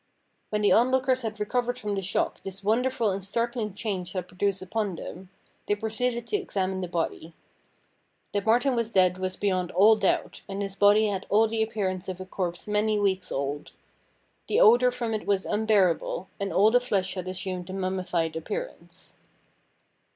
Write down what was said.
When the onlookers had recovered from the shock this wonderful and startling change had produced upon them, they proceeded to examine the body. That Martin was dead was 316 STORIES WEIRD AND WONDERFUL beyond all doubt, and his body bad all the appearance of a corpse many weeks old. The odour from it was unbearable, and all the flesh had assumed the mummified appearance.